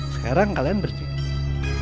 sekarang kalian berjaga